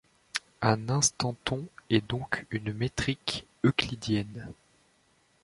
Un instanton est donc une métrique euclidienne.